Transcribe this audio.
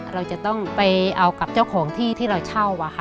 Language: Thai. เราจะต้องไปเอากับเจ้าของที่ที่เราเช่า